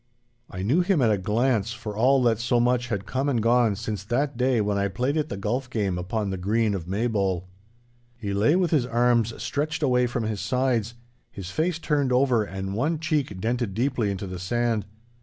I knew him at a glance, for all that so much had come and gone since that day when I played at the golf game upon the green of Maybole. He lay with his arms stretched away from his sides, his face turned over, and one cheek dented deeply into the sand.